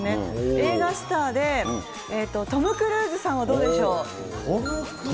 映画スターで、トム・クルーズさんはどうでしょう。